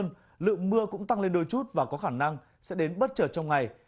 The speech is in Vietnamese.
nhưng lượng mưa cũng tăng lên đôi chút và có khả năng sẽ đến bất chợt trong ngày